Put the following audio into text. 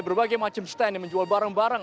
berbagai macam stand yang menjual barang barang